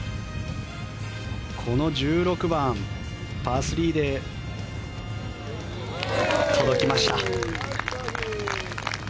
この１６番、パー３で届きました。